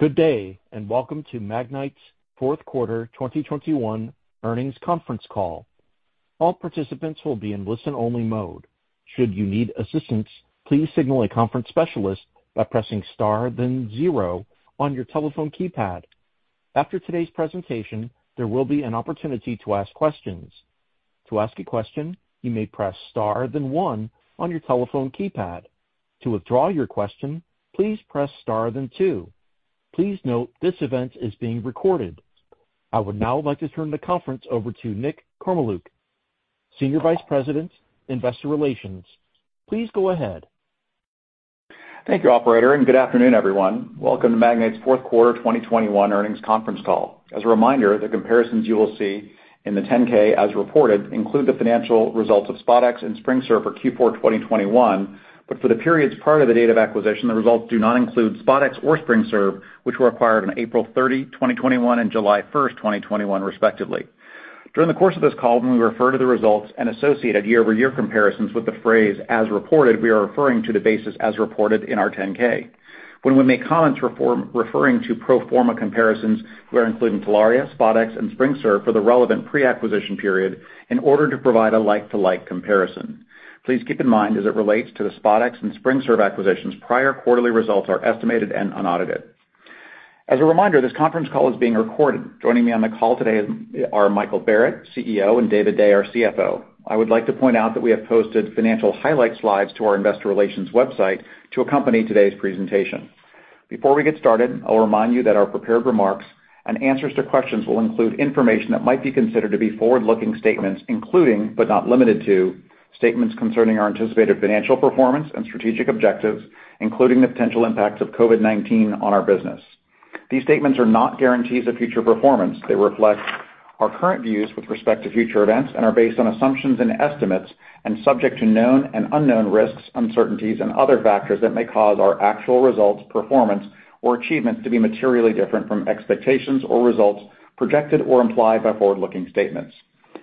Good day, and welcome to Magnite's fourth quarter 2021 earnings conference call. All participants will be in listen-only mode. Should you need assistance, please signal a conference specialist by pressing star, then zero on your telephone keypad. After today's presentation, there will be an opportunity to ask questions. To ask a question, you may press star then one on your telephone keypad. To withdraw your question, please press star then two. Please note this event is being recorded. I would now like to turn the conference over to Nick Kormeluk, Senior Vice President, Investor Relations. Please go ahead. Thank you, operator, and good afternoon, everyone. Welcome to Magnite's fourth quarter 2021 earnings conference call. As a reminder, the comparisons you will see in the 10-K as reported include the financial results of SpotX and SpringServe for Q4 2021. For the periods prior to the date of acquisition, the results do not include SpotX or SpringServe, which were acquired on April 30, 2021 and July 1, 2021 respectively. During the course of this call, when we refer to the results and associated year-over-year comparisons with the phrase as reported, we are referring to the basis as reported in our 10-K. When we make comments referring to pro forma comparisons, we are including Telaria, SpotX and SpringServe for the relevant pre-acquisition period in order to provide a like-to-like comparison. Please keep in mind, as it relates to the SpotX and SpringServe acquisitions, prior quarterly results are estimated and unaudited. As a reminder, this conference call is being recorded. Joining me on the call today are Michael Barrett, CEO, and David Day, our CFO. I would like to point out that we have posted financial highlights slides to our investor relations website to accompany today's presentation. Before we get started, I'll remind you that our prepared remarks and answers to questions will include information that might be considered to be forward-looking statements, including, but not limited to, statements concerning our anticipated financial performance and strategic objectives, including the potential impacts of COVID-19 on our business. These statements are not guarantees of future performance. They reflect our current views with respect to future events and are based on assumptions and estimates and subject to known and unknown risks, uncertainties and other factors that may cause our actual results, performance or achievements to be materially different from expectations or results projected or implied by forward-looking statements.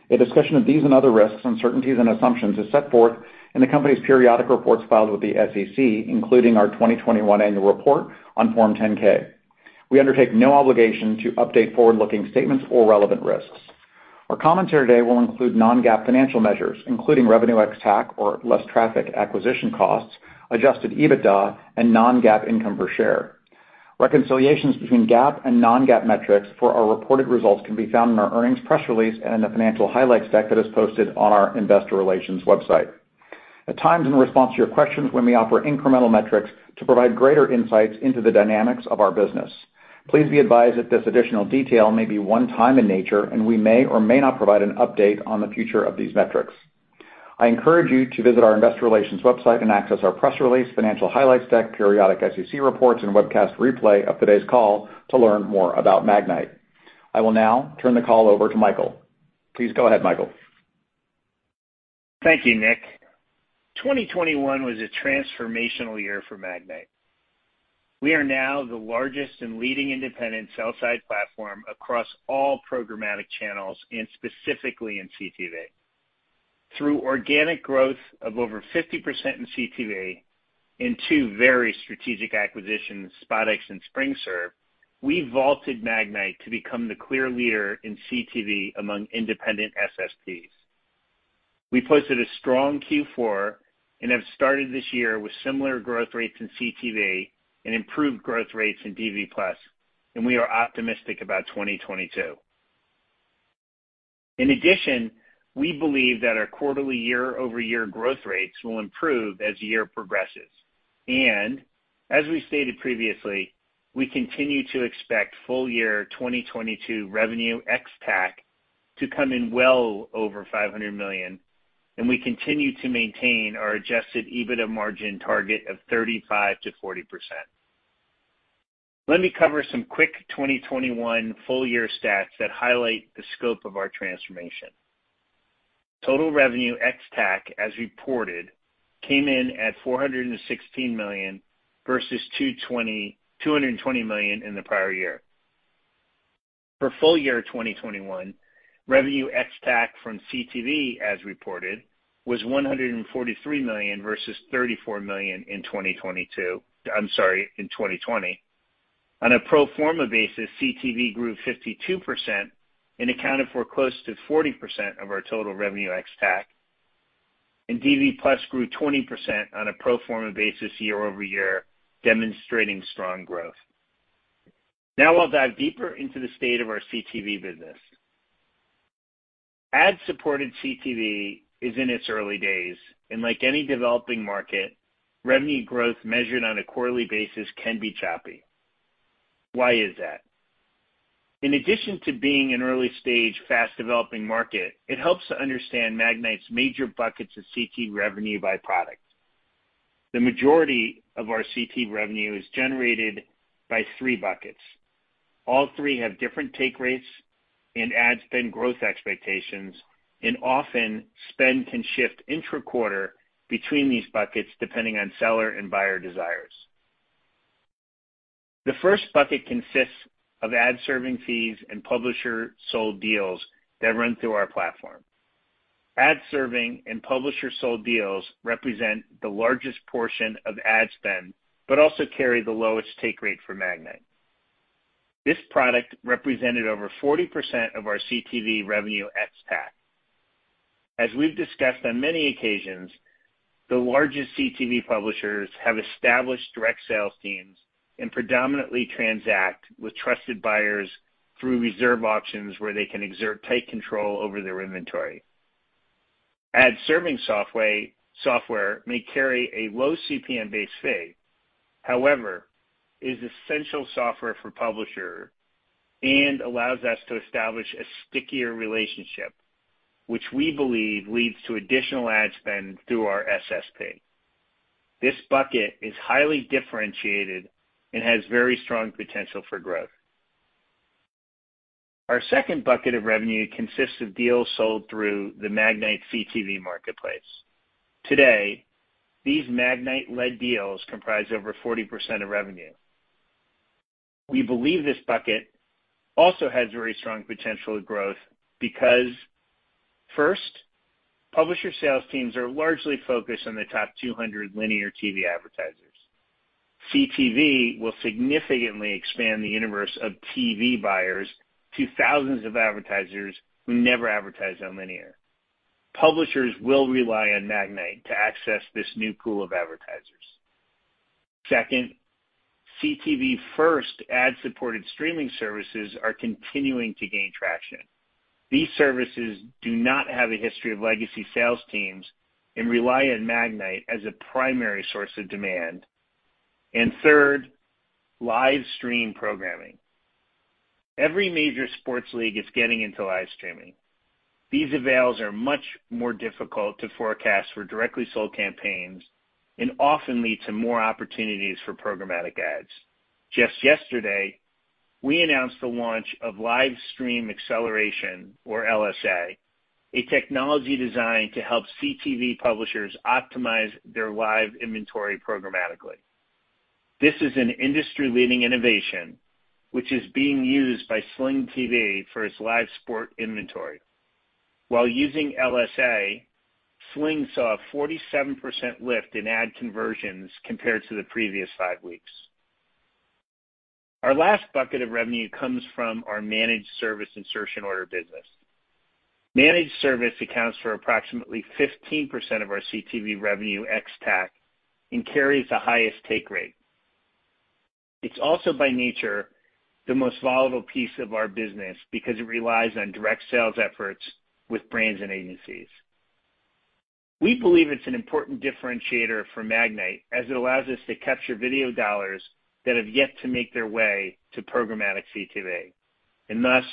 A discussion of these and other risks, uncertainties, and assumptions is set forth in the company's periodic reports filed with the SEC, including our 2021 annual report on Form 10-K. We undertake no obligation to update forward-looking statements or relevant risks. Our commentary today will include non-GAAP financial measures, including revenue ex-TAC or less traffic acquisition costs, Adjusted EBITDA and non-GAAP income per share. Reconciliations between GAAP and non-GAAP metrics for our reported results can be found in our earnings press release and in the financial highlight stack that is posted on our investor relations website. At times, in response to your questions, when we offer incremental metrics to provide greater insights into the dynamics of our business, please be advised that this additional detail may be one time in nature and we may or may not provide an update on the future of these metrics. I encourage you to visit our investor relations website and access our press release, financial highlights deck, periodic SEC reports, and webcast replay of today's call to learn more about Magnite. I will now turn the call over to Michael. Please go ahead, Michael. Thank you, Nick. 2021 was a transformational year for Magnite. We are now the largest and leading independent sell-side platform across all programmatic channels and specifically in CTV. Through organic growth of over 50% in CTV and two very strategic acquisitions, SpotX and SpringServe, we vaulted Magnite to become the clear leader in CTV among independent SSPs. We posted a strong Q4 and have started this year with similar growth rates in CTV and improved growth rates in DV+, and we are optimistic about 2022. In addition, we believe that our quarterly year-over-year growth rates will improve as the year progresses. As we stated previously, we continue to expect full year 2022 revenue ex-TAC to come in well over $500 million, and we continue to maintain our adjusted EBITDA margin target of 35%-40%. Let me cover some quick 2021 full year stats that highlight the scope of our transformation. Total revenue ex-TAC as reported came in at $416 million versus $220 million in the prior year. For full year 2021, revenue ex-TAC from CTV as reported was $143 million versus $34 million in 2020. I'm sorry, in 2020. On a pro forma basis, CTV grew 52% and accounted for close to 40% of our total revenue ex-TAC, and DV+ grew 20% on a pro forma basis year-over-year demonstrating strong growth. Now I'll dive deeper into the state of our CTV business. Ad-supported CTV is in its early days, and like any developing market, revenue growth measured on a quarterly basis can be choppy. Why is that? In addition to being an early-stage fast-developing market, it helps to understand Magnite's major buckets of CTV revenue by product. The majority of our CTV revenue is generated by three buckets. All three have different take rates and ad spend growth expectations, and often spend can shift intra-quarter between these buckets depending on seller and buyer desires. The first bucket consists of ad-serving fees and publisher-sold deals that run through our platform. Ad serving and publisher sold deals represent the largest portion of ad spend, but also carry the lowest take rate for Magnite. This product represented over 40% of our CTV revenue ex-TAC. As we've discussed on many occasions, the largest CTV publishers have established direct sales teams and predominantly transact with trusted buyers through reserve options where they can exert tight control over their inventory. Ad serving software may carry a low CPM-based fee, however, it is essential software for publishers and allows us to establish a stickier relationship, which we believe leads to additional ad spend through our SSP. This bucket is highly differentiated and has very strong potential for growth. Our second bucket of revenue consists of deals sold through the Magnite CTV Marketplace. Today, these Magnite-led deals comprise over 40% of revenue. We believe this bucket also has very strong potential for growth because first, publisher sales teams are largely focused on the top 200 linear TV advertisers. CTV will significantly expand the universe of TV buyers to thousands of advertisers who never advertise on linear. Publishers will rely on Magnite to access this new pool of advertisers. Second, CTV-first ad-supported streaming services are continuing to gain traction. These services do not have a history of legacy sales teams and rely on Magnite as a primary source of demand. Third, live stream programming. Every major sports league is getting into live streaming. These avails are much more difficult to forecast for directly sold campaigns and often lead to more opportunities for programmatic ads. Just yesterday, we announced the launch of Live Stream Acceleration, or LSA, a technology designed to help CTV publishers optimize their live inventory programmatically. This is an industry-leading innovation, which is being used by Sling TV for its live sport inventory. While using LSA, Sling saw a 47% lift in ad conversions compared to the previous five weeks. Our last bucket of revenue comes from our managed service insertion order business. Managed service accounts for approximately 15% of our CTV revenue ex-TAC and carries the highest take rate. It's also by nature, the most valuable piece of our business because it relies on direct sales efforts with brands and agencies. We believe it's an important differentiator for Magnite as it allows us to capture video dollars that have yet to make their way to programmatic CTV and thus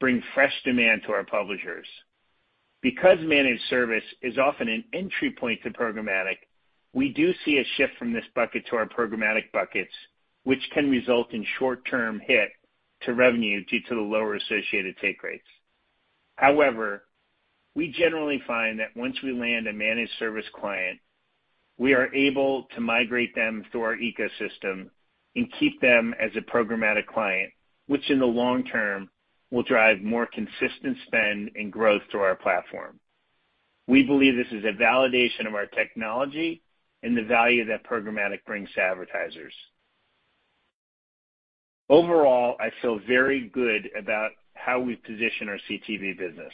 bring fresh demand to our publishers. Because managed service is often an entry point to programmatic, we do see a shift from this bucket to our programmatic buckets, which can result in short-term hit to revenue due to the lower associated take rates. However, we generally find that once we land a managed service client, we are able to migrate them through our ecosystem and keep them as a programmatic client, which in the long term will drive more consistent spend and growth through our platform. We believe this is a validation of our technology and the value that programmatic brings to advertisers. Overall, I feel very good about how we position our CTV business.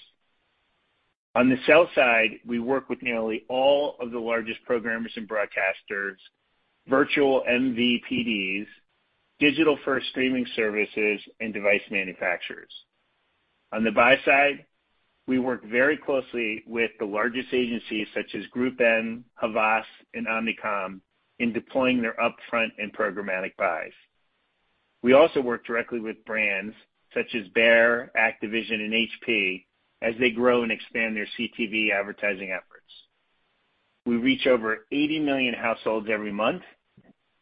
On the sell side, we work with nearly all of the largest programmers and broadcasters, virtual MVPDs, digital-first streaming services, and device manufacturers. On the buy side, we work very closely with the largest agencies such as GroupM, Havas, and Omnicom in deploying their upfront and programmatic buys. We also work directly with brands such as Bayer, Activision and HP as they grow and expand their CTV advertising efforts. We reach over 80 million households every month,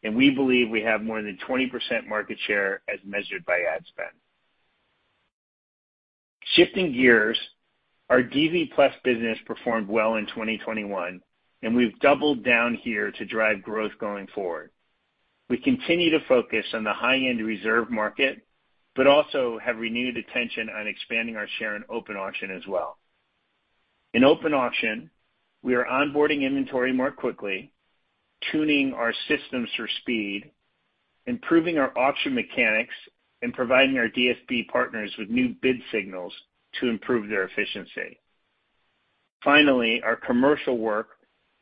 and we believe we have more than 20% market share as measured by ad spend. Shifting gears, our DV+ business performed well in 2021, and we've doubled down here to drive growth going forward. We continue to focus on the high-end reserve market, but also have renewed attention on expanding our share in open auction as well. In open auction, we are onboarding inventory more quickly, tuning our systems for speed, improving our auction mechanics, and providing our DSP partners with new bid signals to improve their efficiency. Finally, our commercial work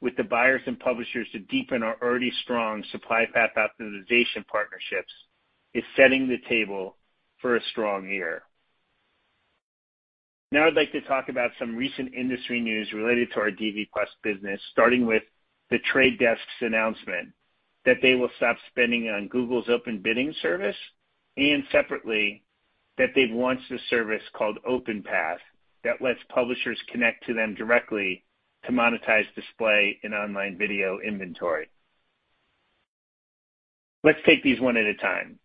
with the buyers and publishers to deepen our already strong supply path optimization partnerships is setting the table for a strong year. Now, I'd like to talk about some recent industry news related to our DV+ business, starting with The Trade Desk's announcement that they will stop spending on Google's Open Bidding service, and separately, that they've launched a service called OpenPath that lets publishers connect to them directly to monetize display and online video inventory. Let's take these one at a time.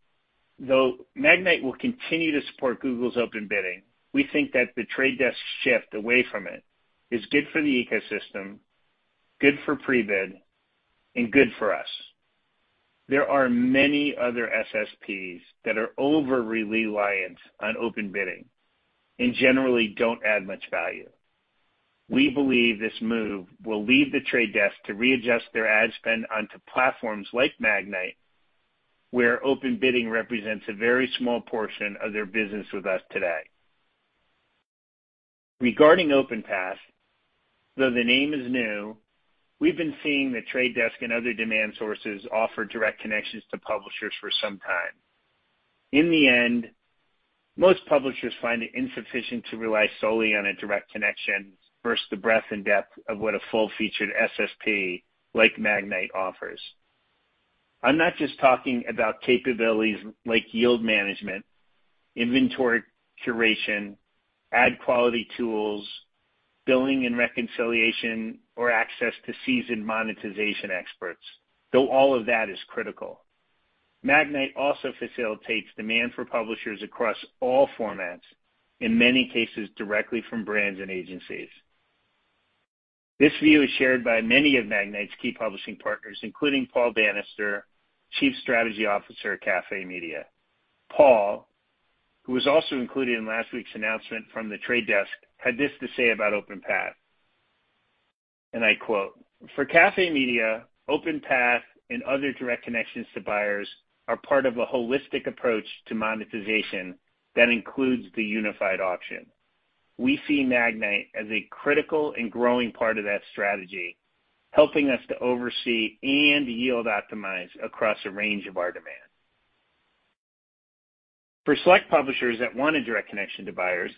Though Magnite will continue to support Google's Open Bidding, we think that The Trade Desk shift away from it is good for the ecosystem, good for Prebid, and good for us. There are many other SSPs that are over-reliant on Open Bidding and generally don't add much value. We believe this move will leave The Trade Desk to readjust their ad spend onto platforms like Magnite, where Open Bidding represents a very small portion of their business with us today. Regarding OpenPath, though the name is new, we've been seeing The Trade Desk and other demand sources offer direct connections to publishers for some time. In the end, most publishers find it insufficient to rely solely on a direct connection versus the breadth and depth of what a full-featured SSP like Magnite offers. I'm not just talking about capabilities like yield management, inventory curation, ad quality tools, billing and reconciliation, or access to seasoned monetization experts, though all of that is critical. Magnite also facilitates demand for publishers across all formats, in many cases, directly from brands and agencies. This view is shared by many of Magnite's key publishing partners, including Paul Bannister, Chief Strategy Officer at CafeMedia. Paul, who was also included in last week's announcement from The Trade Desk, had this to say about OpenPath, and I quote, "For CafeMedia, OpenPath and other direct connections to buyers are part of a holistic approach to monetization that includes the unified auction. We see Magnite as a critical and growing part of that strategy, helping us to oversee and yield optimize across a range of our demand. For select publishers that want a direct connection to buyers,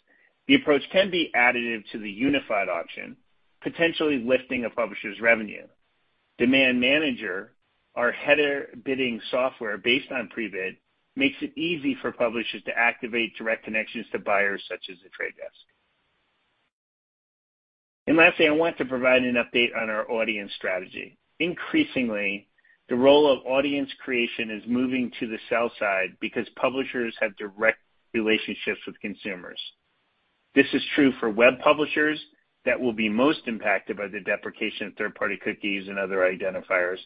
the approach can be additive to the unified auction, potentially lifting a publisher's revenue. Demand Manager, our header bidding software based on Prebid, makes it easy for publishers to activate direct connections to buyers such as The Trade Desk. Lastly, I want to provide an update on our audience strategy. Increasingly, the role of audience creation is moving to the sell side because publishers have direct relationships with consumers. This is true for web publishers that will be most impacted by the deprecation of third-party cookies and other identifiers,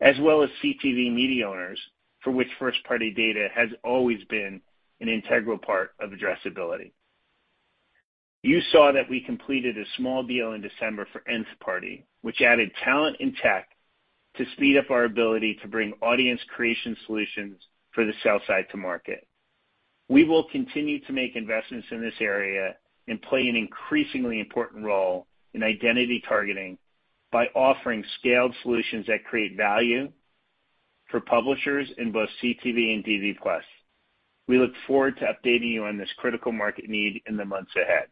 as well as CTV media owners, for which first-party data has always been an integral part of addressability. You saw that we completed a small deal in December for Nth Party, which added talent and tech to speed up our ability to bring audience creation solutions for the sell-side to market. We will continue to make investments in this area and play an increasingly important role in identity targeting by offering scaled solutions that create value for publishers in both CTV and DV+. We look forward to updating you on this critical market need in the months ahead.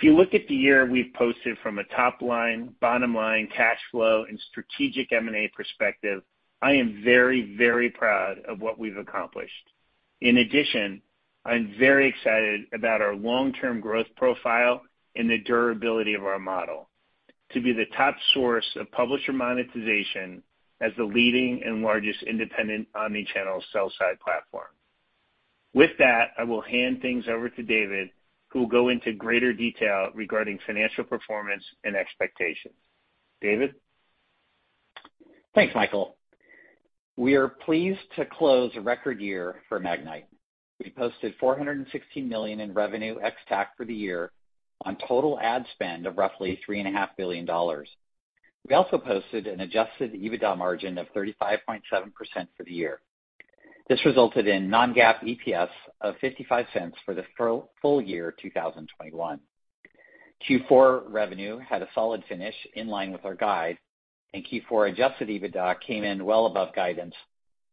If you look at the year we've posted from a top-line, bottom line, cash flow, and strategic M&A perspective, I am very, very proud of what we've accomplished. In addition, I'm very excited about our long-term growth profile and the durability of our model to be the top source of publisher monetization as the leading and largest independent omni-channel sell-side platform. With that, I will hand things over to David, who will go into greater detail regarding financial performance and expectations. David? Thanks, Michael. We are pleased to close a record year for Magnite. We posted $416 million in revenue ex-TAC for the year on total ad spend of roughly $3.5 billion. We also posted an adjusted EBITDA margin of 35.7% for the year. This resulted in non-GAAP EPS of $0.55 for the full year 2021. Q4 revenue had a solid finish in line with our guide, and Q4 adjusted EBITDA came in well above guidance,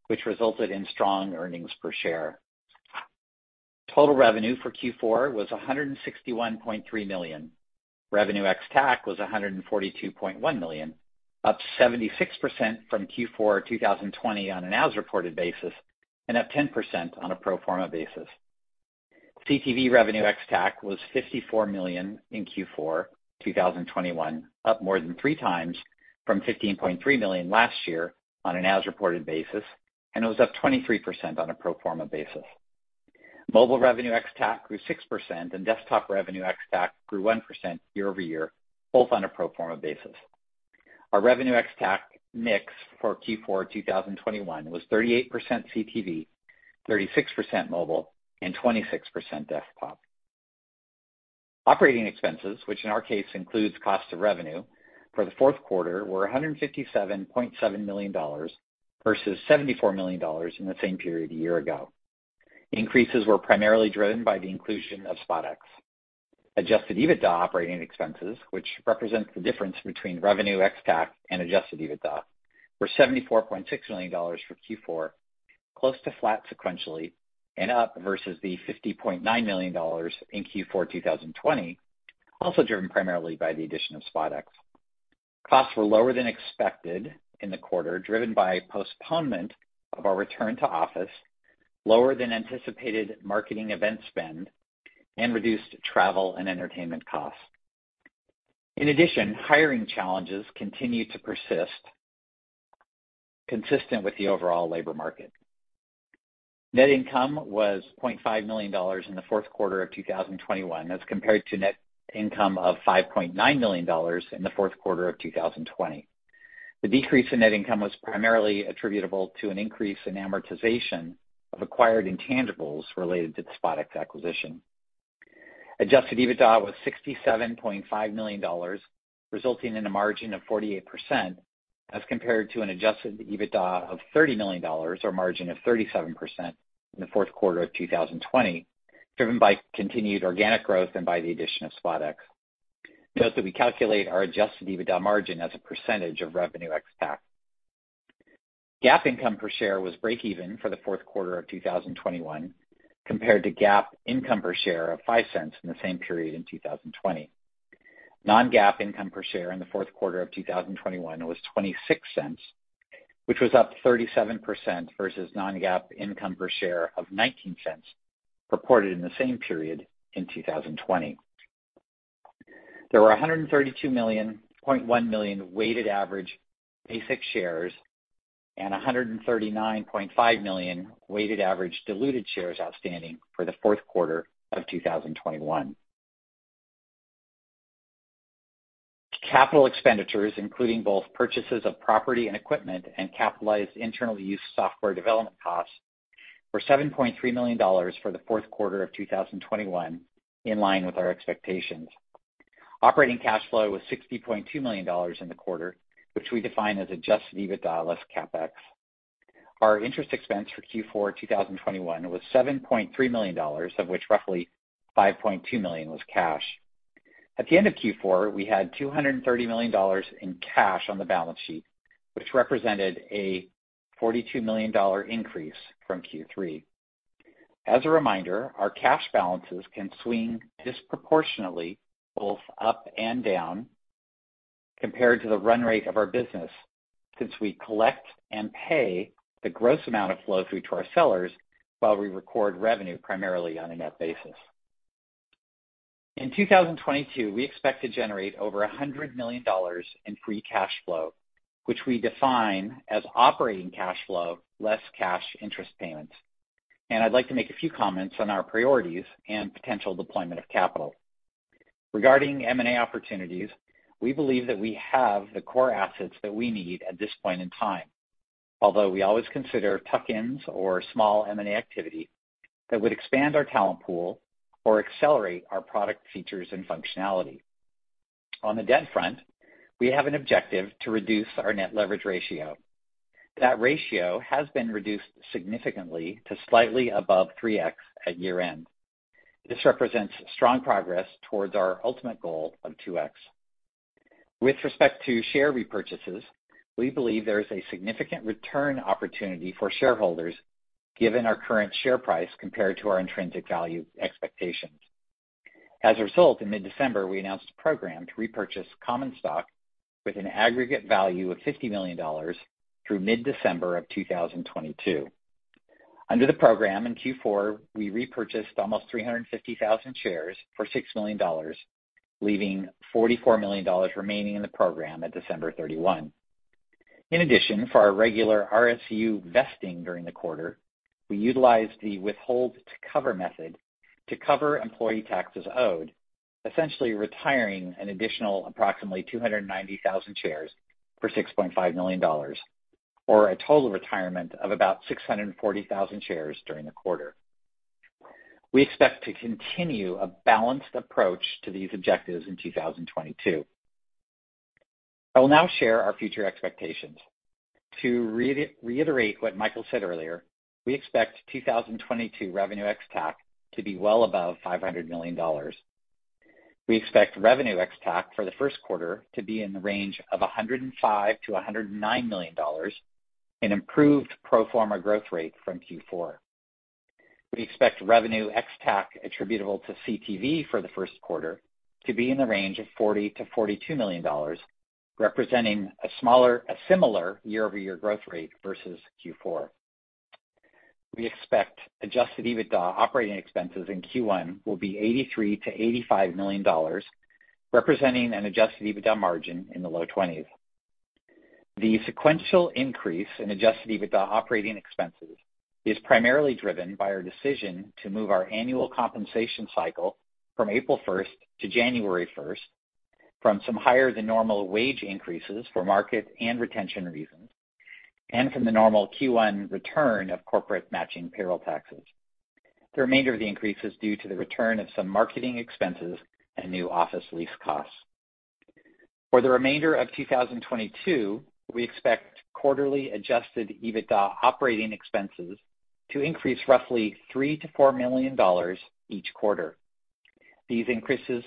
which resulted in strong earnings per share. Total revenue for Q4 was $161.3 million. Revenue ex-TAC was $142.1 million, up 76% from Q4 2020 on an as-reported basis, and up 10% on a pro forma basis. CTV revenue ex-TAC was $54 million in Q4 2021, up more than three times from $15.3 million last year on an as-reported basis, and it was up 23% on a pro forma basis. Mobile revenue ex-TAC grew 6% and desktop revenue ex-TAC grew 1% year-over-year, both on a pro forma basis. Our revenue ex-TAC mix for Q4 2021 was 38% CTV, 36% mobile, and 26% desktop. Operating expenses, which in our case includes cost of revenue for the fourth quarter, were $157.7 million versus $74 million in the same period a year ago. Increases were primarily driven by the inclusion of SpotX. Adjusted EBITDA operating expenses, which represents the difference between revenue ex-TAC and adjusted EBITDA, were $74.6 million for Q4, close to flat sequentially and up versus the $50.9 million in Q4 2020, also driven primarily by the addition of SpotX. Costs were lower than expected in the quarter, driven by postponement of our return to office, lower than anticipated marketing event spend, and reduced travel and entertainment costs. In addition, hiring challenges continue to persist consistent with the overall labor market. Net income was $0.5 million in the fourth quarter of 2021 as compared to net income of $5.9 million in the fourth quarter of 2020. The decrease in net income was primarily attributable to an increase in amortization of acquired intangibles related to the SpotX acquisition. Adjusted EBITDA was $67.5 million, resulting in a margin of 48% as compared to an adjusted EBITDA of $30 million or a margin of 37% in the fourth quarter of 2020, driven by continued organic growth and by the addition of SpotX. Note that we calculate our adjusted EBITDA margin as a percentage of revenue ex-TAC. GAAP income per share was breakeven for the fourth quarter of 2021 compared to GAAP income per share of $0.05 in the same period in 2020. Non-GAAP income per share in the fourth quarter of 2021 was $0.26, which was up 37% versus non-GAAP income per share of $0.19 reported in the same period in 2020. There were 132.1 million weighted average basic shares and 139.5 million weighted average diluted shares outstanding for the fourth quarter of 2021. Capital expenditures, including both purchases of property and equipment and capitalized internal use software development costs, were $7.3 million for the fourth quarter of 2021, in line with our expectations. Operating cash flow was $60.2 million in the quarter, which we define as Adjusted EBITDA less CapEx. Our interest expense for Q4 2021 was $7.3 million, of which roughly $5.2 million was cash. At the end of Q4, we had $230 million in cash on the balance sheet, which represented a $42 million increase from Q3. As a reminder, our cash balances can swing disproportionately both up and down compared to the run rate of our business since we collect and pay the gross amount of flow through to our sellers while we record revenue primarily on a net basis. In 2022, we expect to generate over $100 million in free cash flow, which we define as operating cash flow less cash interest payments. I'd like to make a few comments on our priorities and potential deployment of capital. Regarding M&A opportunities, we believe that we have the core assets that we need at this point in time, although we always consider tuck-ins or small M&A activity that would expand our talent pool or accelerate our product features and functionality. On the debt front, we have an objective to reduce our net leverage ratio. That ratio has been reduced significantly to slightly above 3x at year-end. This represents strong progress towards our ultimate goal of 2x. With respect to share repurchases, we believe there is a significant return opportunity for shareholders given our current share price compared to our intrinsic value expectations. As a result, in mid-December, we announced a program to repurchase common stock with an aggregate value of $50 million through mid-December 2022. Under the program, in Q4, we repurchased almost 350,000 shares for $6 million, leaving $44 million remaining in the program at December 31. In addition, for our regular RSU vesting during the quarter, we utilized the withhold to cover method to cover employee taxes owed, essentially retiring an additional approximately 290,000 shares for $6.5 million, or a total retirement of about 640,000 shares during the quarter. We expect to continue a balanced approach to these objectives in 2022. I will now share our future expectations. To reiterate what Michael said earlier, we expect 2022 revenue ex-TAC to be well above $500 million. We expect revenue ex-TAC for the first quarter to be in the range of $105 million-$109 million, an improved pro forma growth rate from Q4. We expect revenue ex-TAC attributable to CTV for the first quarter to be in the range of $40 million-$42 million, representing a similar year-over-year growth rate versus Q4. We expect Adjusted EBITDA operating expenses in Q1 will be $83 million-$85 million, representing an Adjusted EBITDA margin in the low 20s%. The sequential increase in Adjusted EBITDA operating expenses is primarily driven by our decision to move our annual compensation cycle from April 1-January 1, from some higher than normal wage increases for market and retention reasons, and from the normal Q1 return of corporate matching payroll taxes. The remainder of the increase is due to the return of some marketing expenses and new office lease costs. For the remainder of 2022, we expect quarterly Adjusted EBITDA operating expenses to increase roughly $3 million-$4 million each quarter. These increases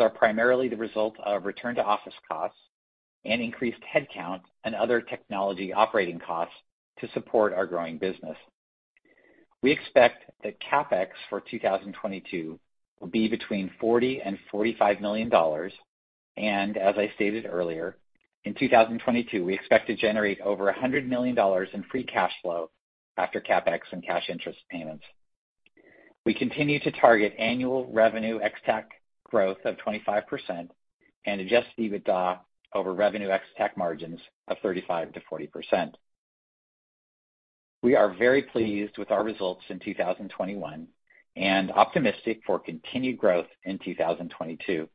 are primarily the result of return to office costs and increased headcount and other technology operating costs to support our growing business. We expect that CapEx for 2022 will be between $40 million and $45 million, and as I stated earlier, in 2022, we expect to generate over $100 million in free cash flow after CapEx and cash interest payments. We continue to target annual revenue ex-TAC growth of 25% and adjusted EBITDA over revenue ex-TAC margins of 35%-40%. We are very pleased with our results in 2021 and optimistic for continued growth in 2022.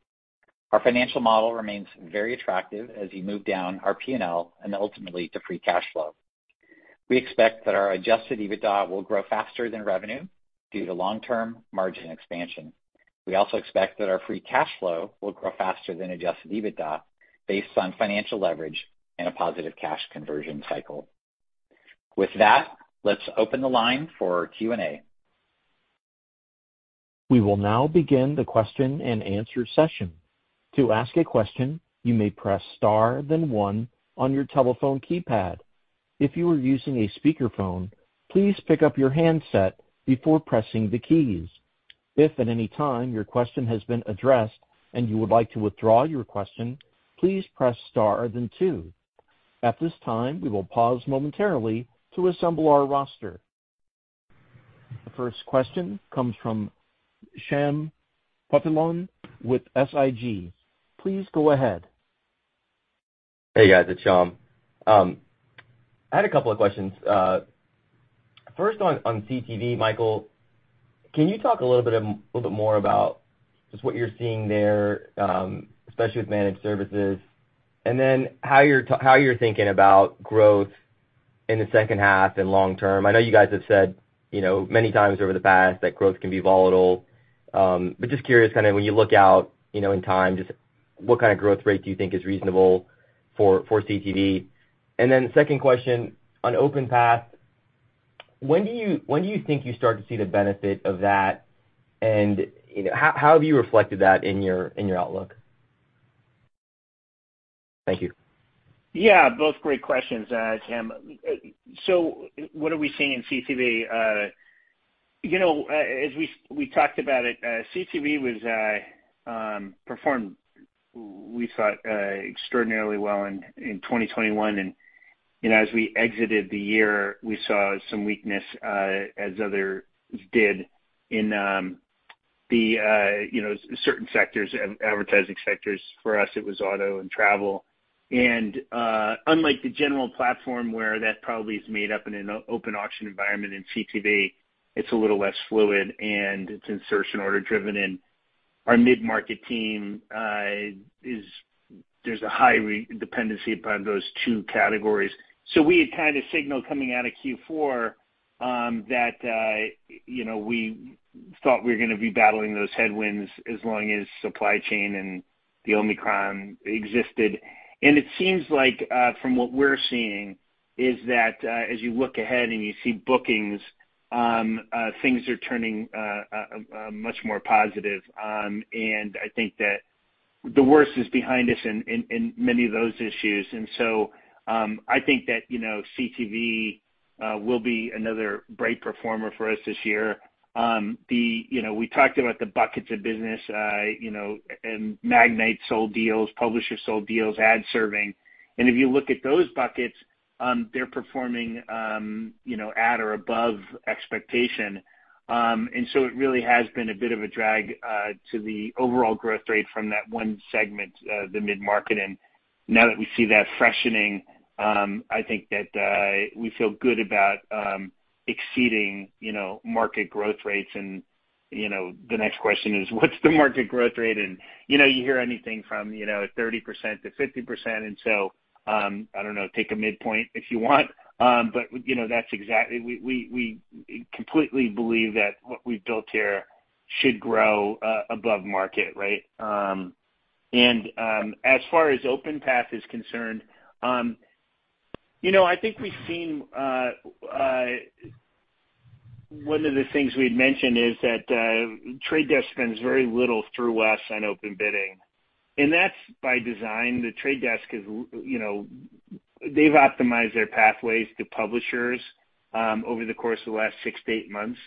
Our financial model remains very attractive as you move down our P&L and ultimately to free cash flow. We expect that our adjusted EBITDA will grow faster than revenue due to long-term margin expansion. We also expect that our free cash flow will grow faster than adjusted EBITDA based on financial leverage and a positive cash conversion cycle. With that, let's open the line for Q&A. We will now begin the question-and-answer session. To ask a question, you may press star then one on your telephone keypad. If you are using a speakerphone, please pick up your handset before pressing the keys. If at any time your question has been addressed and you would like to withdraw your question, please press star then two. At this time, we will pause momentarily to assemble our roster. The first question comes from Shyam Patil with SIG. Please go ahead. Hey, guys, it's Shyam. I had a couple of questions. First on CTV, Michael, can you talk a little bit more about just what you're seeing there, especially with managed services? How you're thinking about growth in the second half and long term. I know you guys have said, you know, many times over the past that growth can be volatile. Just curious, kind of when you look out, you know, in time, just what kind of growth rate do you think is reasonable for CTV? Then second question on OpenPath, when do you think you start to see the benefit of that? You know, how have you reflected that in your outlook? Thank you. Yeah, both great questions, Shyam. So what are we seeing in CTV? You know, as we talked about it, CTV performed we thought extraordinarily well in 2021. You know, as we exited the year, we saw some weakness, as others did in the certain sectors, advertising sectors. For us, it was auto and travel. Unlike the general platform where that probably is made up in an open auction environment in CTV, it's a little less fluid and it's insertion order driven. Our mid-market team is there's a high dependency upon those two categories. We had kind of signaled coming out of Q4 that you know, we thought we were gonna be battling those headwinds as long as supply chain and the Omicron existed. It seems like from what we're seeing is that as you look ahead and you see bookings things are turning much more positive. I think that the worst is behind us in many of those issues. I think that you know CTV will be another bright performer for us this year. You know we talked about the buckets of business you know and Magnite sold deals, publishers sold deals, ad serving. If you look at those buckets they're performing you know at or above expectation. It really has been a bit of a drag to the overall growth rate from that one segment the mid-market. Now that we see that freshening, I think that we feel good about exceeding, you know, market growth rates. You know, the next question is, what's the market growth rate? You know, you hear anything from, you know, 30%-50%. I don't know, take a midpoint if you want. You know, that's exactly what we completely believe that what we've built here should grow above market, right? As far as OpenPath is concerned, you know, I think we've seen. One of the things we'd mentioned is that The Trade Desk spends very little through us on Open Bidding, and that's by design. The Trade Desk is, you know, they've optimized their pathways to publishers over the course of the last 6-8 months,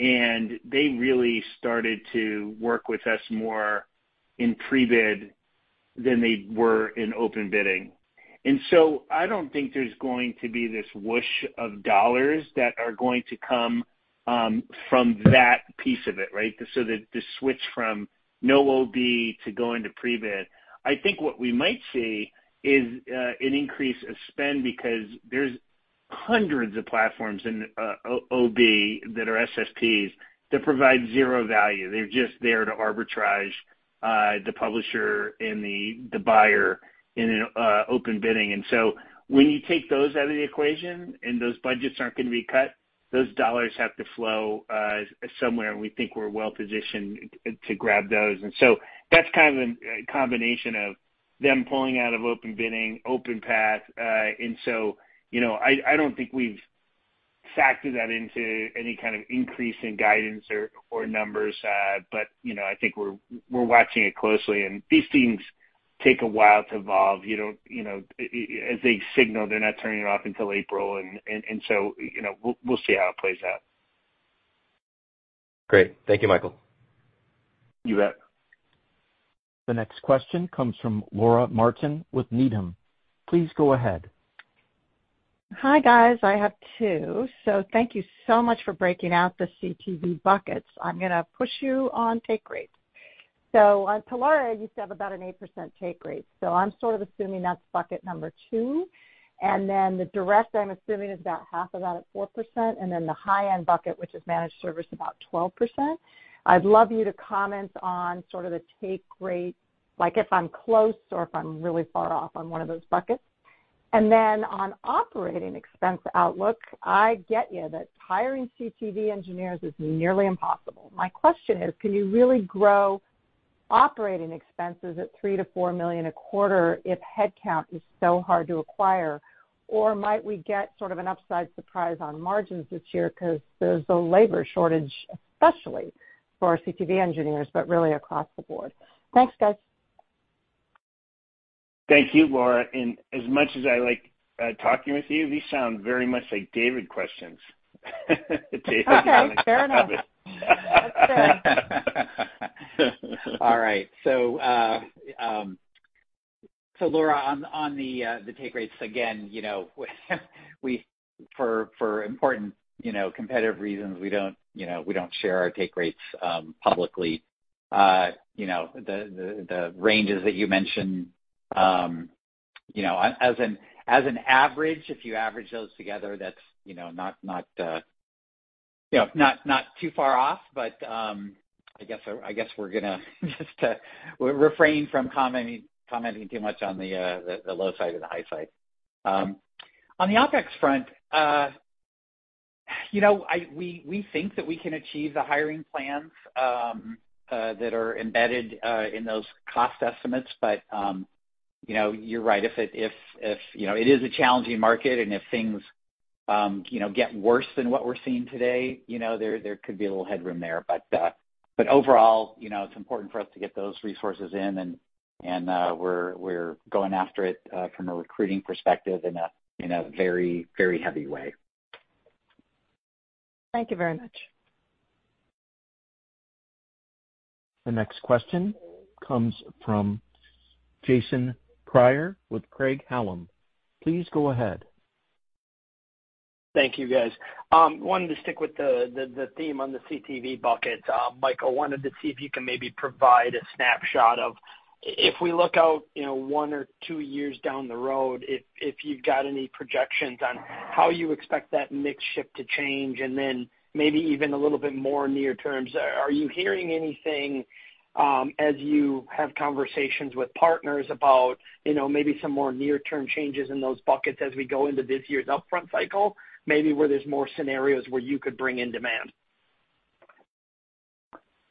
and they really started to work with us more in Prebid than they were in Open Bidding. I don't think there's going to be this whoosh of dollars that are going to come from that piece of it, right? The switch from no OB to going to Prebid. I think what we might see is an increase of spend because there's hundreds of platforms in OB that are SSPs that provide zero value. They're just there to arbitrage the publisher and the buyer in Open Bidding. When you take those out of the equation, and those budgets aren't going to be cut, those dollars have to flow somewhere, and we think we're well-positioned to grab those. That's kind of a combination of them pulling out of Open Bidding, OpenPath. You know, I don't think we've factored that into any kind of increase in guidance or numbers. But you know, I think we're watching it closely, and these things take a while to evolve. You know, as they signal they're not turning it off until April. And so, you know, we'll see how it plays out. Great. Thank you, Michael. You bet. The next question comes from Laura Martin with Needham. Please go ahead. Hi guys, I have two. Thank you so much for breaking out the CTV buckets. I'm gonna push you on take rates. On Telaria, you used to have about an 8% take rate, so I'm sort of assuming that's bucket number two. Then the direct, I'm assuming, is about half of that at 4%, and then the high-end bucket, which is managed service, about 12%. I'd love you to comment on sort of the take rate, like if I'm close or if I'm really far off on one of those buckets. Then on operating expense outlook, I get you that hiring CTV engineers is nearly impossible. My question is, can you really grow operating expenses at $3 million-$4 million a quarter if head count is so hard to acquire? might we get sort of an upside surprise on margins this year because there's a labor shortage, especially for our CTV engineers, but really across the board? Thanks, guys. Thank you, Laura. As much as I like talking with you, these sound very much like David questions. Okay, fair enough. All right. Laura, on the take rates again, you know, we for important you know competitive reasons we don't you know we don't share our take rates publicly. You know, the ranges that you mentioned you know as an average, if you average those together, that's not too far off. I guess we're gonna just we'll refrain from commenting too much on the low side and the high side. On the OpEx front you know we think that we can achieve the hiring plans that are embedded in those cost estimates. You know, you're right. If you know, it is a challenging market and if things you know, get worse than what we're seeing today, you know, there could be a little headroom there. Overall, you know, it's important for us to get those resources in and we're going after it from a recruiting perspective in a very heavy way. Thank you very much. The next question comes from Jason Kreyer with Craig-Hallum. Please go ahead. Thank you guys. Wanted to stick with the theme on the CTV buckets. Mike, I wanted to see if you can maybe provide a snapshot of if we look out, you know, one or two years down the road, if you've got any projections on how you expect that mix shift to change and then maybe even a little bit more near term. Are you hearing anything, as you have conversations with partners about, you know, maybe some more near-term changes in those buckets as we go into this year's upfront cycle, maybe where there's more scenarios where you could bring in demand?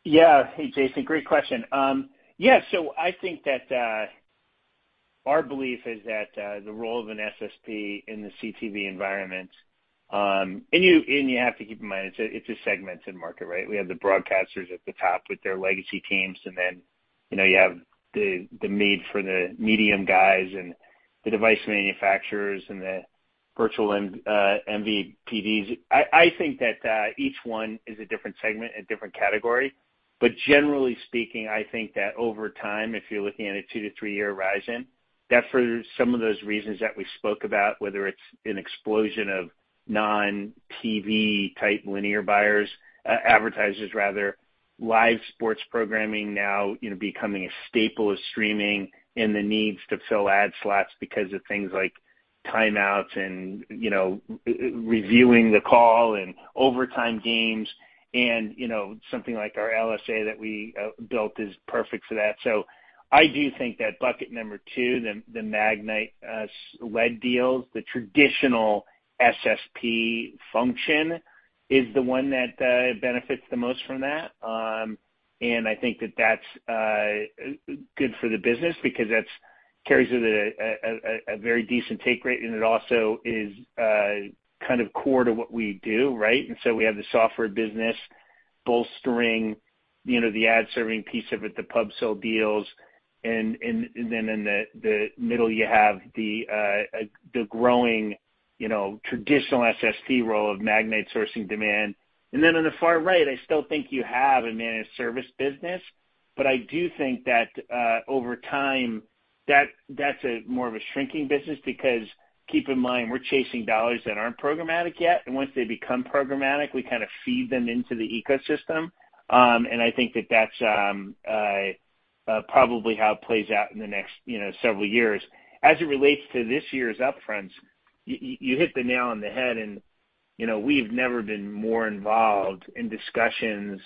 Yeah. Hey, Jason, great question. Yeah. I think that our belief is that the role of an SSP in the CTV environment, and you have to keep in mind it's a segmented market, right? We have the broadcasters at the top with their legacy teams, and then you know you have the need for the medium guys and the device manufacturers and the virtual and MVPDs. I think that each one is a different segment, a different category. Generally speaking, I think that over time, if you're looking at a two-three-year horizon, that for some of those reasons that we spoke about, whether it's an explosion of non-TV type linear buyers, advertisers rather, live sports programming now, you know, becoming a staple of streaming and the needs to fill ad slots because of things like timeouts and, you know, reviewing the call and overtime games and, you know, something like our LSA that we built is perfect for that. So I do think that bucket number two, the Magnite lead deals, the traditional SSP function is the one that benefits the most from that. I think that that's good for the business because that carries with it a very decent take rate, and it also is kind of core to what we do, right? We have the software business bolstering, you know, the ad serving piece of it, the pub sell deals. Then in the middle you have the growing, you know, traditional SSP role of Magnite sourcing demand. Then on the far right, I still think you have a managed service business. I do think that over time, that's more of a shrinking business because keep in mind, we're chasing dollars that aren't programmatic yet, and once they become programmatic, we kind of feed them into the ecosystem. I think that's probably how it plays out in the next, you know, several years. As it relates to this year's upfront, you hit the nail on the head and, you know, we've never been more involved in discussions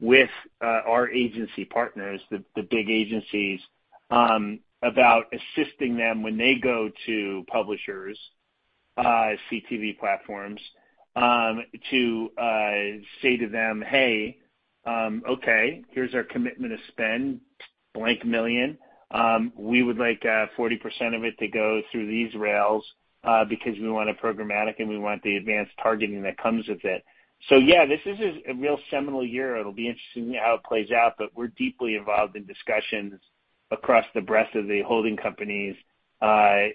with our agency partners, the big agencies, about assisting them when they go to publishers, CTV platforms, to say to them, "Hey, okay, here's our commitment to spend $ blank million. We would like 40% of it to go through these rails, because we want it programmatic and we want the advanced targeting that comes with it." Yeah, this is a real seminal year. It'll be interesting how it plays out, but we're deeply involved in discussions across the breadth of the holding companies, with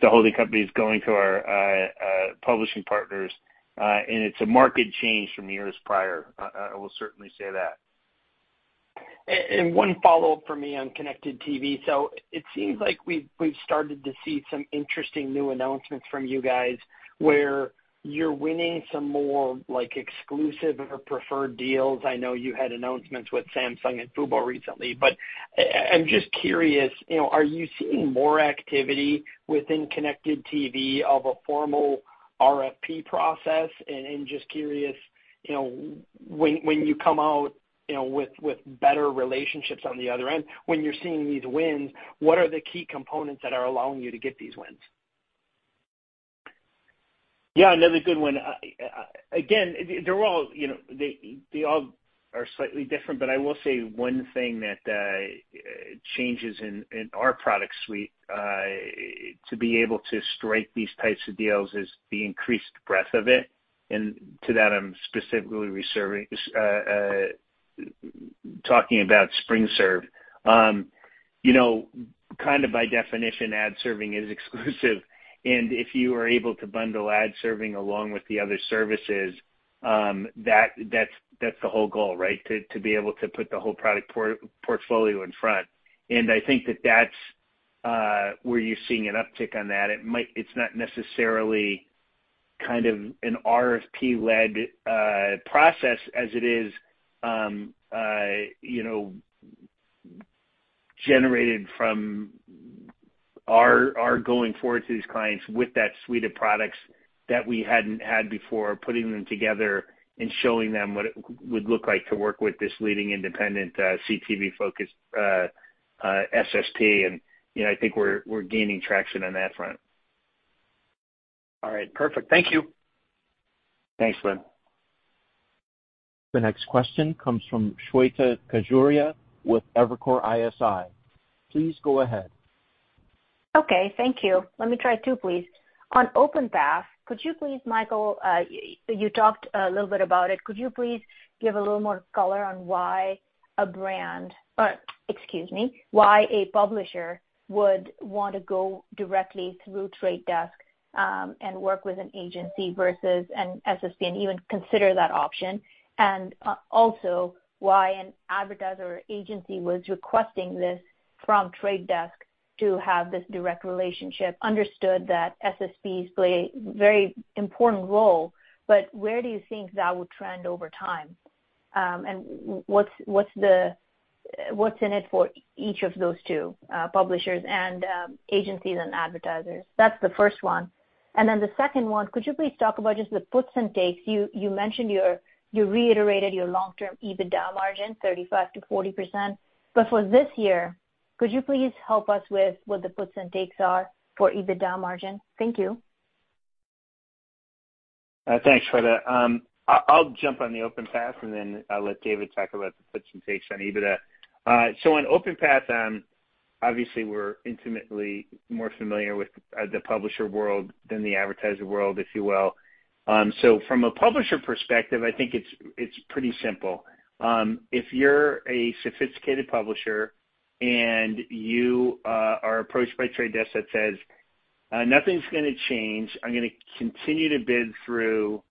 the holding companies going to our publishing partners. It's a market change from years prior. I will certainly say that. One follow-up for me on connected TV. It seems like we've started to see some interesting new announcements from you guys where you're winning some more like exclusive or preferred deals. I know you had announcements with Samsung and Fubo recently, but I'm just curious, you know, are you seeing more activity within connected TV of a formal RFP process? Just curious, you know, when you come out, you know, with better relationships on the other end, when you're seeing these wins, what are the key components that are allowing you to get these wins? Yeah, another good one. Again, they're all, you know, they all are slightly different, but I will say one thing that changes in our product suite to be able to strike these types of deals is the increased breadth of it. To that, I'm specifically talking about SpringServe. You know, kind of by definition, ad serving is exclusive. If you are able to bundle ad serving along with the other services, that's the whole goal, right? To be able to put the whole product portfolio in front. I think that's where you're seeing an uptick on that. It's not necessarily kind of an RFP-led process as it is, you know, generated from our going forward to these clients with that suite of products that we hadn't had before, putting them together and showing them what it would look like to work with this leading independent, CTV-focused, SSP. You know, I think we're gaining traction on that front. All right. Perfect. Thank you. Thanks, Jason. The next question comes from Shweta Khajuria with Evercore ISI. Please go ahead. Okay, thank you. Let me try two, please. On OpenPath, could you please, Michael, you talked a little bit about it. Could you please give a little more color on why a publisher would want to go directly through Trade Desk, and work with an agency versus an SSP and even consider that option? Also, why an advertiser or agency was requesting this from Trade Desk to have this direct relationship. Understood that SSPs play a very important role, but where do you think that will trend over time? What's in it for each of those two, publishers and agencies and advertisers? That's the first one. Then the second one, could you please talk about just the puts and takes? You reiterated your long-term EBITDA margin, 35%-40%. For this year, could you please help us with what the puts and takes are for EBITDA margin? Thank you. Thanks, Shweta. I'll jump on the OpenPath, and then I'll let David talk about the puts and takes on EBITDA. So on OpenPath, obviously we're intimately more familiar with the publisher world than the advertiser world, if you will. So from a publisher perspective, I think it's pretty simple. If you're a sophisticated publisher and you are approached by Trade Desk that says nothing's gonna change. I'm gonna continue to bid through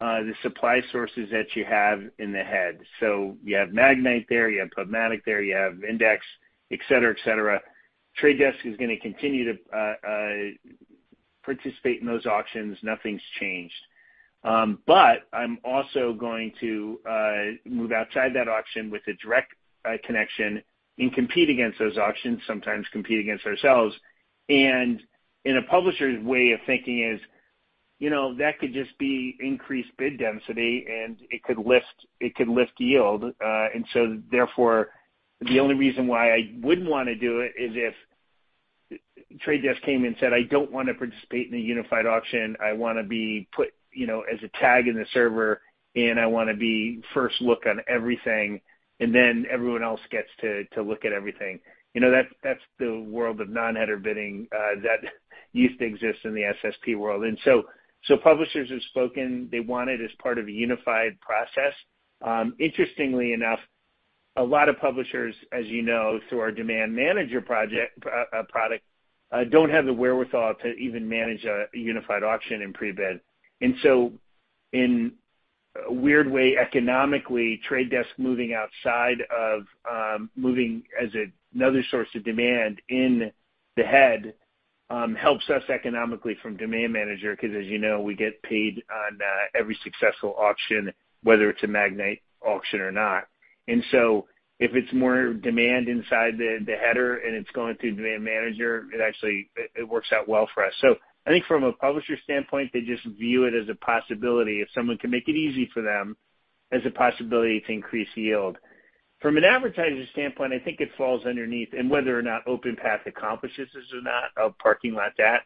the supply sources that you have in the header. So you have Magnite there, you have PubMatic there, you have Index, et cetera, et cetera. Trade Desk is gonna continue to participate in those auctions. Nothing's changed. But I'm also going to move outside that auction with a direct connection and compete against those auctions, sometimes compete against ourselves. In a publisher's way of thinking is, you know, that could just be increased bid density and it could lift yield. Therefore, the only reason why I wouldn't wanna do it is if Trade Desk came and said, I don't wanna participate in a unified auction. I wanna be put, you know, as a tag in the server, and I wanna be first look on everything, and then everyone else gets to look at everything. You know, that's the world of non-header bidding that used to exist in the SSP world. Publishers have spoken. They want it as part of a unified process. Interestingly enough, a lot of publishers, as you know, through our Demand Manager project, product, don't have the wherewithal to even manage a unified auction in Prebid. In a weird way, economically, The Trade Desk moving as another source of demand in the header helps us economically from Demand Manager, because as you know, we get paid on every successful auction, whether it's a Magnite auction or not. If it's more demand inside the header and it's going through Demand Manager, it actually works out well for us. I think from a publisher standpoint, they just view it as a possibility if someone can make it easy for them to increase yield. From an advertiser standpoint, I think it falls underneath and whether or not OpenPath accomplishes this or not, I'll parking lot that.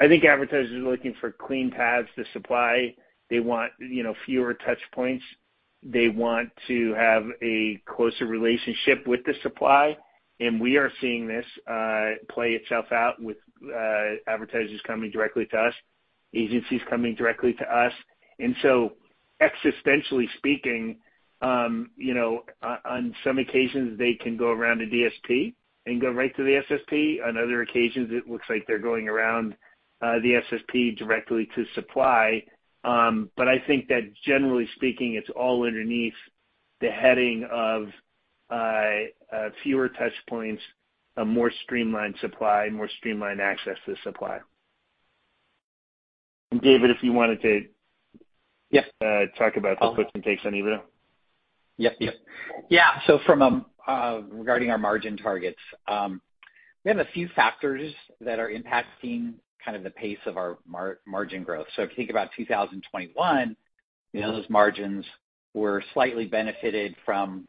I think advertisers are looking for clean paths to supply. They want, you know, fewer touch points. They want to have a closer relationship with the supply. We are seeing this play itself out with advertisers coming directly to us, agencies coming directly to us. Existentially speaking, you know, on some occasions, they can go around a DSP and go right to the SSP. On other occasions, it looks like they're going around the SSP directly to supply. But I think that generally speaking, it's all under the heading of fewer touchpoints, a more streamlined supply, more streamlined access to supply. David, if you wanted to Yes. talk about the puts and takes on either of them. Yeah. Regarding our margin targets, we have a few factors that are impacting kind of the pace of our margin growth. If you think about 2021, you know, those margins were slightly benefited from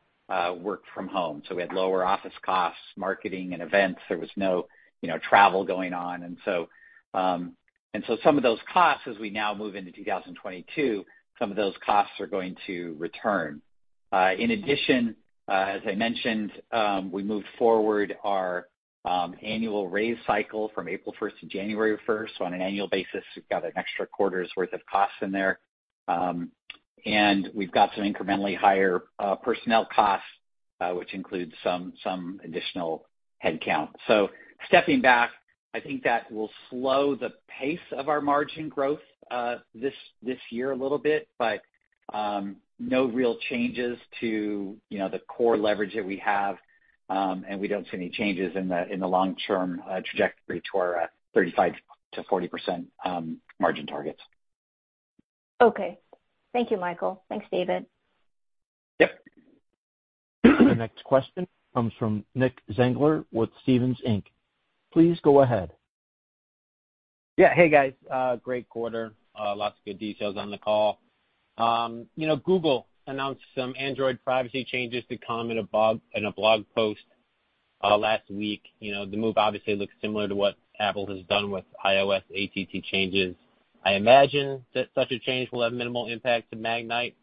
work from home. We had lower office costs, marketing and events. There was no, you know, travel going on. Some of those costs, as we now move into 2022, are going to return. In addition, as I mentioned, we moved forward our annual raise cycle from April 1st-January 1st. On an annual basis, we've got an extra quarter's worth of costs in there. We've got some incrementally higher personnel costs, which includes some additional headcount. Stepping back, I think that will slow the pace of our margin growth this year a little bit, but no real changes to, you know, the core leverage that we have. We don't see any changes in the long-term trajectory to our 35%-40% margin targets. Okay. Thank you, Michael. Thanks, David. Yep. The next question comes from Nick Zangler with Stephens Inc. Please go ahead. Yeah. Hey, guys. Great quarter. Lots of good details on the call. You know, Google announced some Android privacy changes to come in a blog post last week. You know, the move obviously looks similar to what Apple has done with iOS ATT changes. I imagine that such a change will have minimal impact to Magnite,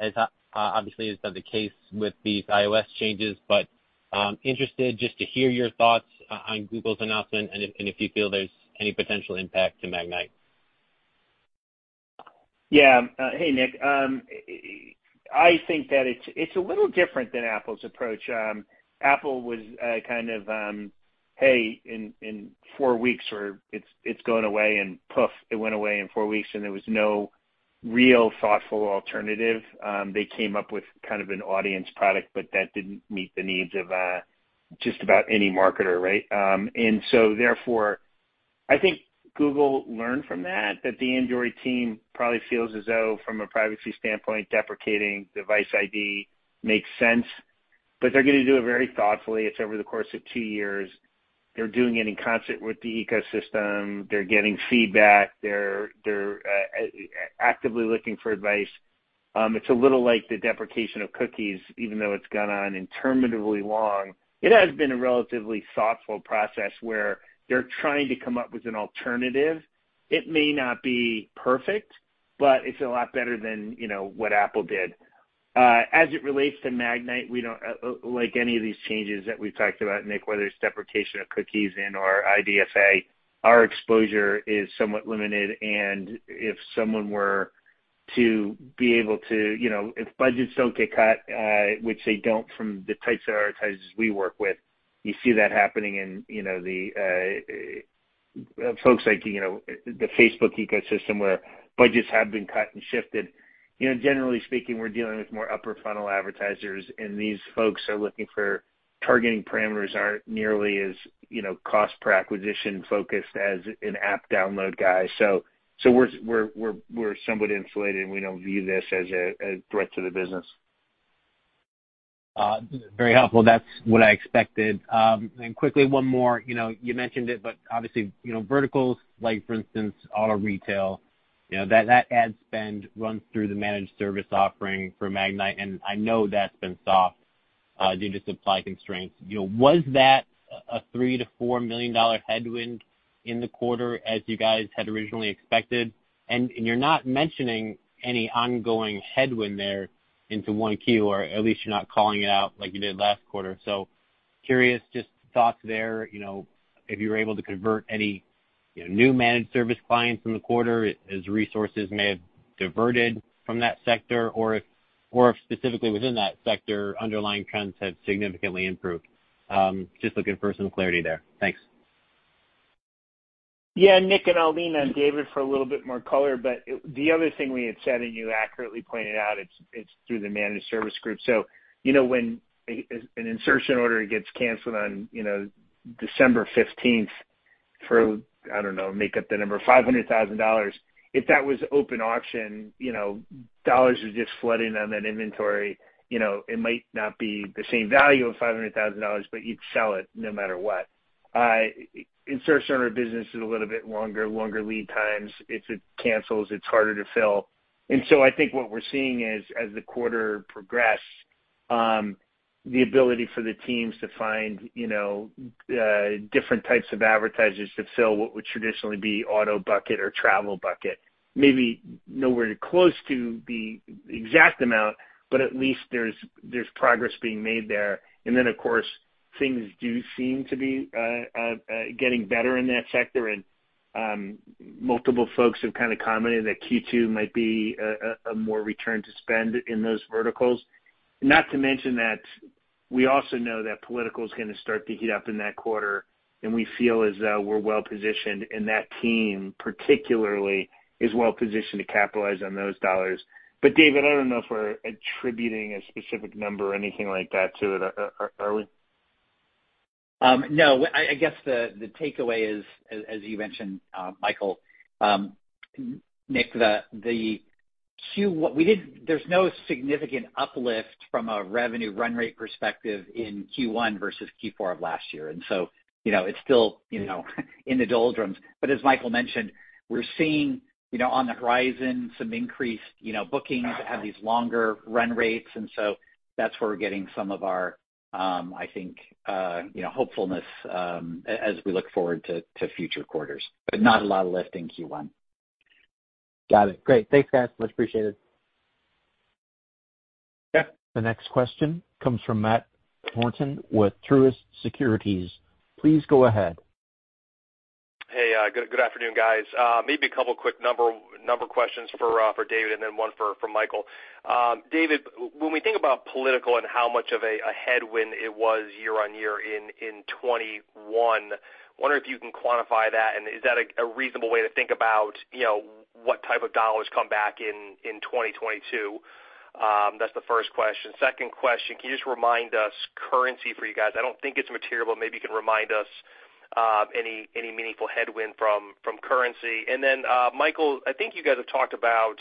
as obviously has been the case with these iOS changes, but I'm interested just to hear your thoughts on Google's announcement and if you feel there's any potential impact to Magnite. Yeah. Hey, Nick. I think that it's a little different than Apple's approach. Apple was kind of, hey, in 4 weeks it's going away, and poof, it went away in four weeks, and there was no real thoughtful alternative. They came up with kind of an audience product, but that didn't meet the needs of just about any marketer, right? Therefore, I think Google learned from that the Android team probably feels as though from a privacy standpoint, deprecating device ID makes sense, but they're gonna do it very thoughtfully. It's over the course of two years. They're doing it in concert with the ecosystem. They're getting feedback. They're actively looking for advice. It's a little like the deprecation of cookies, even though it's gone on interminably long. It has been a relatively thoughtful process where they're trying to come up with an alternative. It may not be perfect, but it's a lot better than, you know, what Apple did. As it relates to Magnite, we don't like any of these changes that we've talked about, Nick, whether it's deprecation of cookies and/or IDFA, our exposure is somewhat limited. If budgets don't get cut, which they don't from the types of advertisers we work with, you see that happening in, you know, the folks like, you know, the Facebook ecosystem, where budgets have been cut and shifted. Generally speaking, we're dealing with more upper funnel advertisers, and these folks are looking for targeting parameters that aren't nearly as, you know, cost per acquisition-focused as an app download guy. We're somewhat insulated, and we don't view this as a threat to the business. Very helpful. That's what I expected. Quickly, one more. You know, you mentioned it, but obviously, you know, verticals like for instance, auto retail, you know, that ad spend runs through the managed service offering for Magnite, and I know that's been soft due to supply constraints. You know, was that a $3 million-$4 million headwind in the quarter as you guys had originally expected? You're not mentioning any ongoing headwind there into 1Q, or at least you're not calling it out like you did last quarter. Curious, just thoughts there, you know, if you were able to convert any, you know, new managed service clients in the quarter as resources may have diverted from that sector, or if specifically within that sector, underlying trends have significantly improved. Just looking for some clarity there. Thanks. Yeah, Nick, and I'll lean on David for a little bit more color. The other thing we had said, and you accurately pointed out, it's through the managed service group. You know, when an insertion order gets canceled on, you know, December 15th for, I don't know, make up the number, $500,000. If that was open auction, you know, dollars are just flooding on that inventory. You know, it might not be the same value of $500,000, but you'd sell it no matter what. Insertion order business is a little bit longer lead times. If it cancels, it's harder to fill. I think what we're seeing is, as the quarter progressed, the ability for the teams to find, you know, different types of advertisers to fill what would traditionally be auto bucket or travel bucket. Maybe nowhere close to the exact amount, but at least there's progress being made there. Then of course, things do seem to be getting better in that sector. Multiple folks have kind of commented that Q2 might be a more return to spend in those verticals. Not to mention that we also know that political is gonna start to heat up in that quarter, and we feel as though we're well-positioned, and that team particularly is well-positioned to capitalize on those dollars. David, I don't know if we're attributing a specific number or anything like that to it. Are we? No. I guess the takeaway is, as you mentioned, Michael, Nick, there's no significant uplift from a revenue run rate perspective in Q1 versus Q4 of last year. You know, it's still, you know, in the doldrums. As Michael mentioned, we're seeing, you know, on the horizon some increased, you know, bookings that have these longer run rates. That's where we're getting some of our, I think, you know, hopefulness, as we look forward to future quarters. Not a lot of lift in Q1. Got it. Great. Thanks, guys. Much appreciated. Yeah. The next question comes from Matt Thornton with Truist Securities. Please go ahead. Hey, good afternoon, guys. Maybe a couple quick number questions for David and then one for Michael. David, when we think about political and how much of a headwind it was year-over-year in 2021, wondering if you can quantify that, and is that a reasonable way to think about, you know, what type of dollars come back in 2022? That's the first question. Second question, can you just remind us currency for you guys? I don't think it's material, but maybe you can remind us any meaningful headwind from currency. Then, Michael, I think you guys have talked about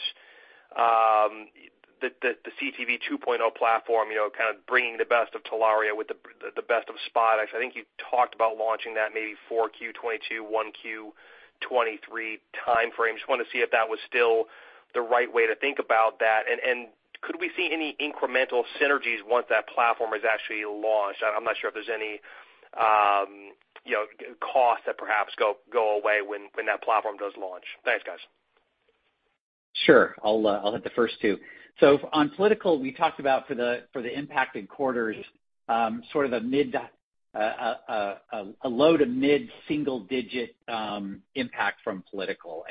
the CTV 2.0 platform, you know, kind of bringing the best of Telaria with the best of SpotX. I think you talked about launching that maybe 4Q 2022, 1Q 2023 timeframe. Just wanna see if that was still the right way to think about that. Could we see any incremental synergies once that platform is actually launched? I'm not sure if there's any, you know, costs that perhaps go away when that platform does launch. Thanks, guys. Sure. I'll hit the first two. On political, we talked about for the impacted quarters, sort of a low- to mid-single-digit % impact from political.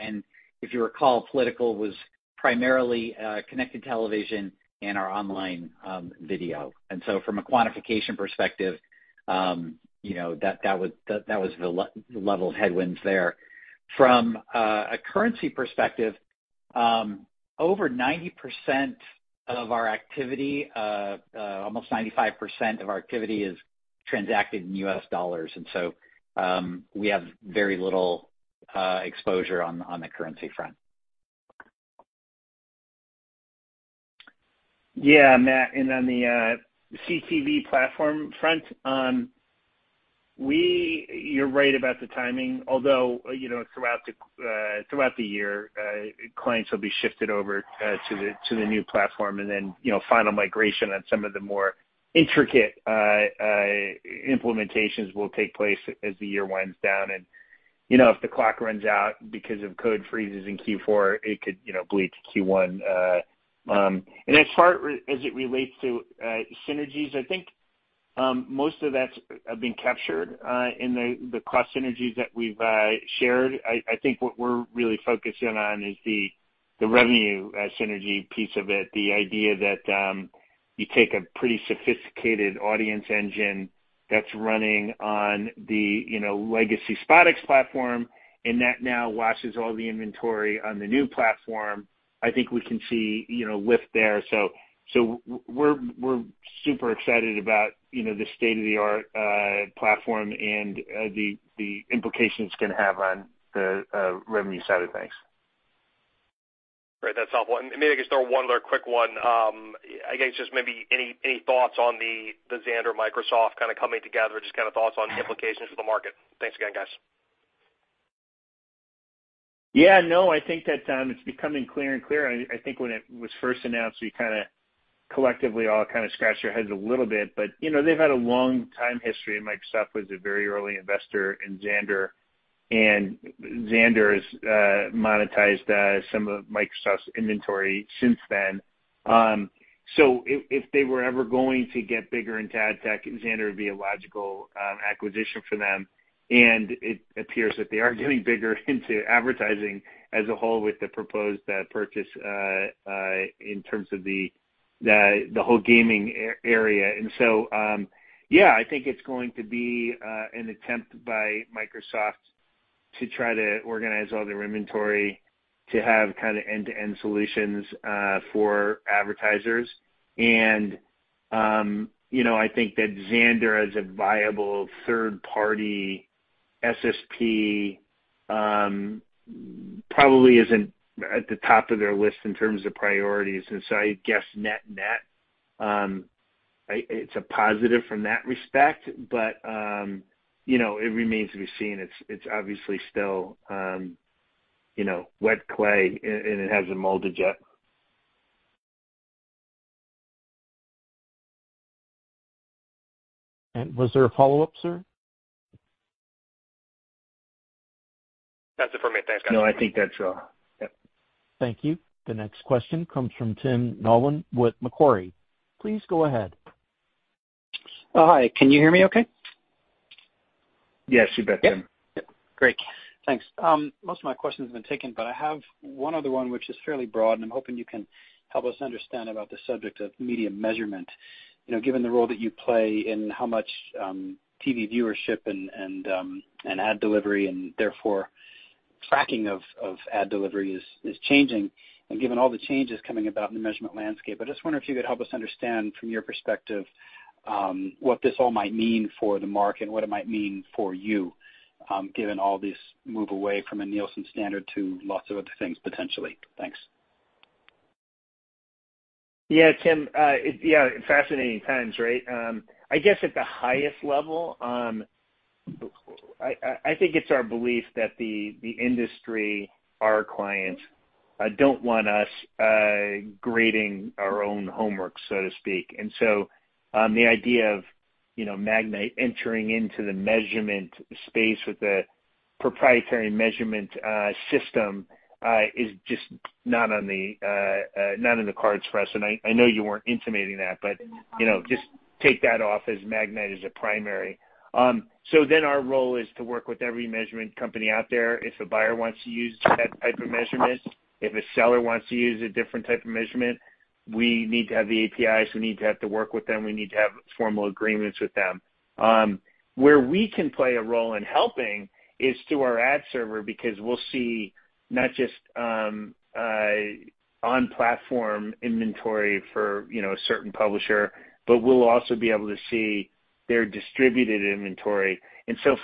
If you recall, political was primarily connected television and our online video. From a quantification perspective, you know, that was the level of headwinds there. From a currency perspective, over 90% of our activity, almost 95% of our activity is transacted in U.S. dollars. We have very little exposure on the currency front. Yeah, Matt. On the CTV platform front, you're right about the timing, although you know, throughout the year, clients will be shifted over to the new platform, and then you know, final migration on some of the more intricate implementations will take place as the year winds down. You know, if the clock runs out because of code freezes in Q4, it could you know, bleed to Q1. As far as it relates to synergies, I think most of that's been captured in the cost synergies that we've shared. I think what we're really focusing on is the revenue synergy piece of it, the idea that you take a pretty sophisticated audience engine that's running on the legacy SpotX platform, and that now watches all the inventory on the new platform. I think we can see, you know, lift there. We're super excited about, you know, the state-of-the-art platform and the implications it's gonna have on the revenue side of things. Great. That's helpful. Maybe I can throw one other quick one. I guess just maybe any thoughts on the Xandr-Microsoft kinda coming together? Just kinda thoughts on implications for the market. Thanks again, guys. Yeah, no, I think that it's becoming clearer and clearer. I think when it was first announced, we kinda collectively all kinda scratched our heads a little bit. You know, they've had a long time history. Microsoft was a very early investor in Xandr, and Xandr's monetized some of Microsoft's inventory since then. If they were ever going to get bigger into ad tech, Xandr would be a logical acquisition for them. It appears that they are getting bigger into advertising as a whole with the proposed purchase in terms of the whole gaming area. I think it's going to be an attempt by Microsoft to try to organize all their inventory to have kinda end-to-end solutions for advertisers. You know, I think that Xandr as a viable third-party SSP probably isn't at the top of their list in terms of priorities. I guess net-net it's a positive from that respect, but you know, it remains to be seen. It's obviously still you know, wet clay and it hasn't molded yet. Was there a follow-up, sir? That's it for me. Thanks, guys. No, I think that's all. Yep. Thank you. The next question comes from Tim Nollen with Macquarie. Please go ahead. Oh, hi. Can you hear me okay? Yes, you bet, Tim. Great. Thanks. Most of my questions have been taken, but I have one other one which is fairly broad, and I'm hoping you can help us understand about the subject of media measurement. You know, given the role that you play in how much TV viewership and ad delivery and therefore tracking of ad delivery is changing, and given all the changes coming about in the measurement landscape, I just wonder if you could help us understand from your perspective what this all might mean for the market and what it might mean for you, given all this move away from a Nielsen standard to lots of other things potentially. Thanks. Yeah, Tim. Yeah, fascinating times, right? I guess at the highest level, I think it's our belief that the industry, our clients, don't want us grading our own homework, so to speak. The idea of, you know, Magnite entering into the measurement space with a proprietary measurement system is just not in the cards for us. I know you weren't intimating that, but, you know, just take that off the table for Magnite as a primary. Our role is to work with every measurement company out there. If a buyer wants to use that type of measurement, if a seller wants to use a different type of measurement, we need to have the APIs, we need to have to work with them, we need to have formal agreements with them. Where we can play a role in helping is through our ad server, because we'll see not just on-platform inventory for, you know, a certain publisher, but we'll also be able to see their distributed inventory.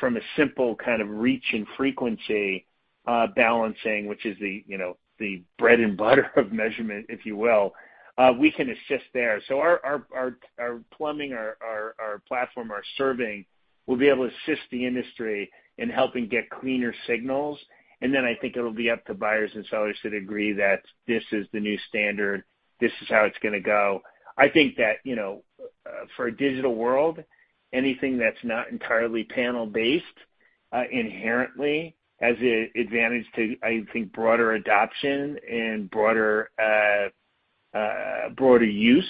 From a simple kind of reach and frequency balancing, which is the, you know, the bread and butter of measurement, if you will, we can assist there. Our plumbing, our platform, our serving will be able to assist the industry in helping get cleaner signals. I think it'll be up to buyers and sellers to agree that this is the new standard, this is how it's gonna go. I think that, you know, for a digital world, anything that's not entirely panel based inherently has an advantage to, I think, broader adoption and broader use.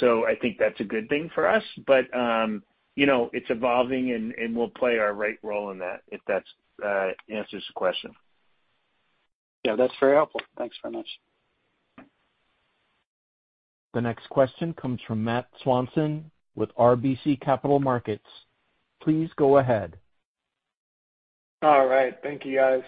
I think that's a good thing for us. You know, it's evolving and we'll play our right role in that, if that answers the question. Yeah, that's very helpful. Thanks very much. The next question comes from Matt Swanson with RBC Capital Markets. Please go ahead. All right. Thank you, guys.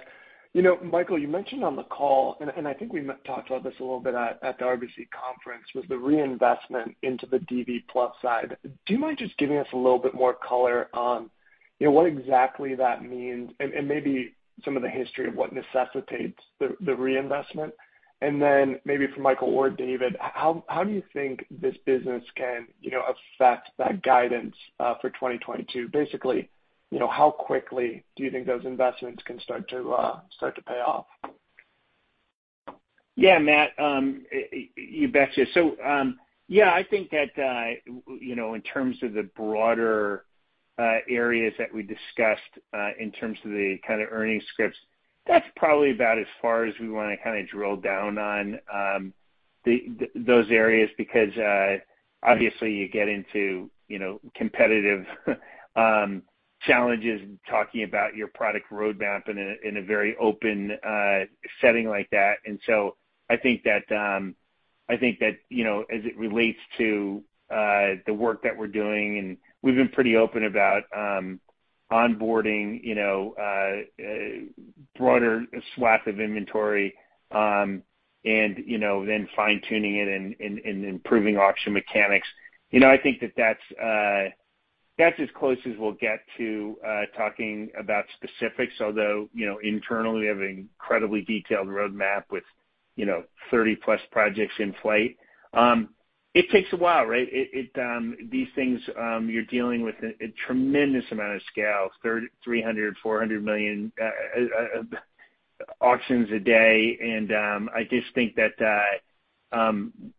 You know, Michael, you mentioned on the call, and I think we talked about this a little bit at the RBC conference, was the reinvestment into the DV+ side. Do you mind just giving us a little bit more color on, you know, what exactly that means and maybe some of the history of what necessitates the reinvestment? Then maybe for Michael or David, how do you think this business can, you know, affect that guidance for 2022? Basically, you know, how quickly do you think those investments can start to pay off? Yeah, Matt, you betcha. Yeah, I think that you know, in terms of the broader areas that we discussed, in terms of the kind of earnings scripts, that's probably about as far as we wanna kinda drill down on those areas, because obviously you get into you know, competitive challenges talking about your product roadmap in a very open setting like that. I think that you know, as it relates to the work that we're doing, and we've been pretty open about onboarding you know, broader swath of inventory, and you know, then fine-tuning it and improving auction mechanics. You know, I think that's as close as we'll get to talking about specifics, although you know, internally we have an incredibly detailed roadmap with you know, 30+ projects in flight. It takes a while, right? These things, you're dealing with a tremendous amount of scale, 300, 400 million auctions a day. I just think that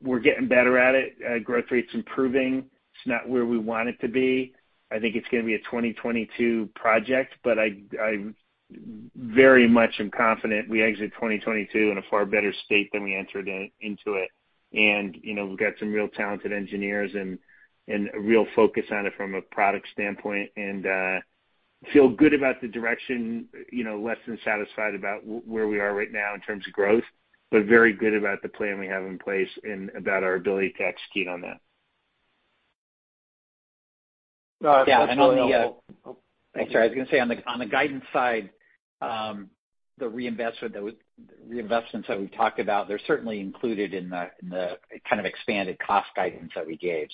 we're getting better at it. Growth rate's improving. It's not where we want it to be. I think it's gonna be a 2022 project, but I very much am confident we exit 2022 in a far better state than we entered into it. You know, we've got some real talented engineers and a real focus on it from a product standpoint. Feel good about the direction, you know, less than satisfied about where we are right now in terms of growth, but very good about the plan we have in place and about our ability to execute on that. First of all. On the guidance side, the reinvestments that we've talked about, they're certainly included in the kind of expanded cost guidance that we gave.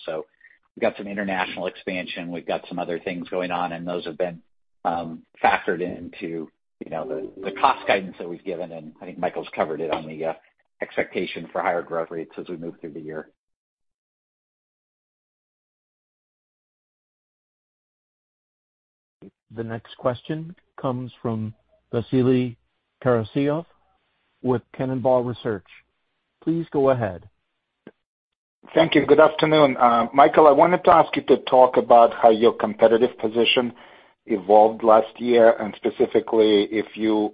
We've got some international expansion, we've got some other things going on, and those have been factored into, you know, the cost guidance that we've given, and I think Michael's covered it on the expectation for higher growth rates as we move through the year. The next question comes from Vasily Karasyov with Cannonball Research. Please go ahead. Thank you. Good afternoon. Michael, I wanted to ask you to talk about how your competitive position evolved last year, and specifically if you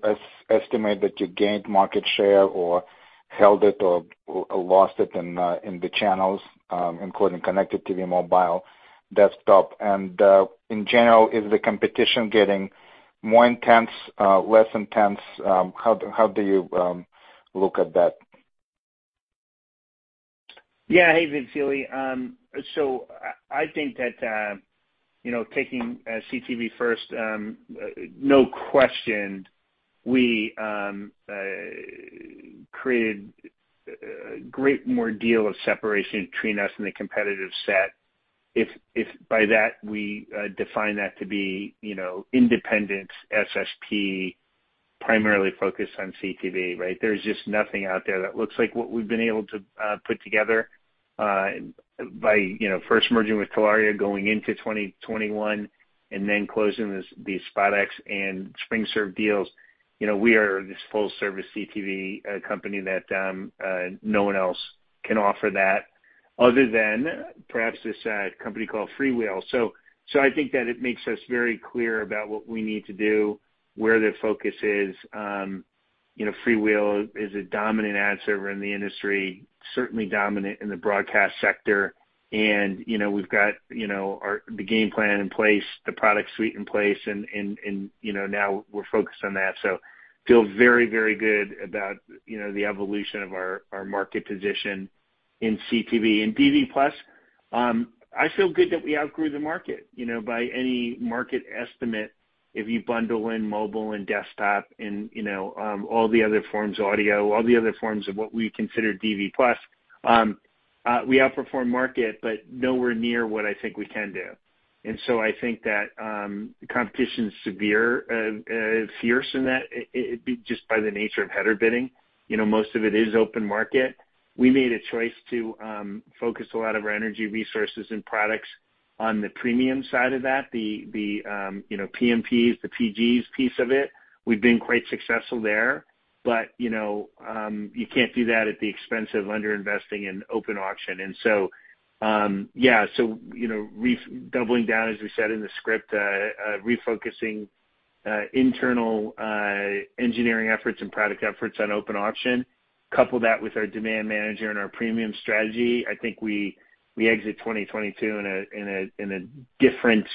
estimate that you gained market share or held or lost it in the channels, including Connected TV, mobile, desktop. In general, is the competition getting more intense, less intense? How do you look at that? Yeah. Hey, Vasily. So I think that, you know, taking CTV first, no question, we created a greater deal of separation between us and the competitive set. If by that we define that to be, you know, independent SSP primarily focused on CTV, right? There's just nothing out there that looks like what we've been able to put together by, you know, first merging with Telaria going into 2021 and then closing the SpotX and SpringServe deals. You know, we are this full service CTV company that no one else can offer other than perhaps this company called FreeWheel. I think that it makes us very clear about what we need to do, where the focus is. You know, FreeWheel is a dominant ad server in the industry, certainly dominant in the broadcast sector. You know, we've got our game plan in place, the product suite in place, and you know, now we're focused on that. I feel very, very good about you know, the evolution of our market position in CTV. In DV+, I feel good that we outgrew the market you know, by any market estimate, if you bundle in mobile and desktop and you know, all the other forms, audio, all the other forms of what we consider DV+, we outperform market, but nowhere near what I think we can do. I think that competition is severe, fierce in that it'd be just by the nature of header bidding, you know, most of it is open market. We made a choice to focus a lot of our energy resources and products on the premium side of that. You know, PMPs, the PGs piece of it, we've been quite successful there. You know, you can't do that at the expense of under-investing in open auction. Yeah. You know, doubling down, as we said in the script, refocusing internal engineering efforts and product efforts on open auction. Couple that with our Demand Manager and our premium strategy, I think we exit 2022 in a different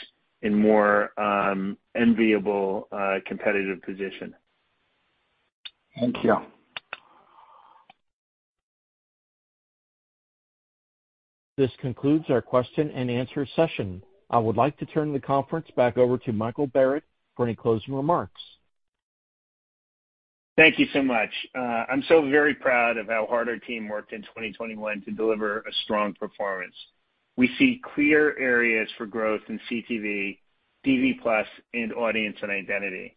and more enviable competitive position. Thank you. This concludes our question and answer session. I would like to turn the conference back over to Michael Barrett for any closing remarks. Thank you so much. I'm so very proud of how hard our team worked in 2021 to deliver a strong performance. We see clear areas for growth in CTV, DV+, and audience and identity.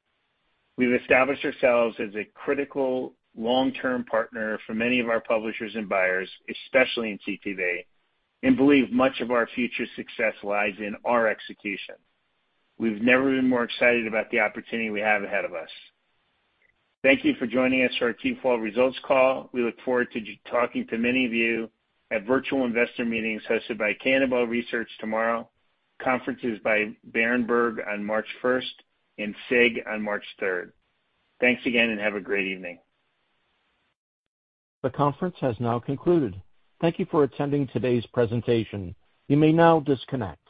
We've established ourselves as a critical long-term partner for many of our publishers and buyers, especially in CTV, and believe much of our future success lies in our execution. We've never been more excited about the opportunity we have ahead of us. Thank you for joining us for our Q4 results call. We look forward to talking to many of you at virtual investor meetings hosted by Cannonball Research tomorrow, conferences by Berenberg on March 1st and SIG on March third. Thanks again and have a great evening. The conference has now concluded. Thank you for attending today's presentation. You may now disconnect.